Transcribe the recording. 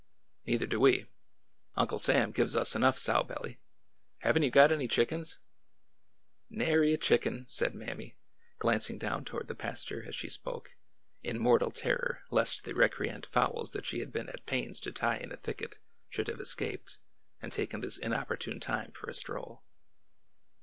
Neither do we. Uncle Sam gives us enough sow belly. Have n't you got any chickens ?" Nary a chicken," said Mammy, glancing down toward the pasture as she spoke, in mortal terror lest the recreant fowls that she had been at pains to tie in a thicket should have escaped and taken this inopportune time for a stroll.